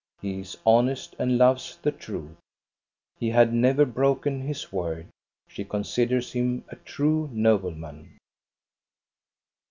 He is honest and loves the truth. He had never broken his word. She considers him a true nobleman.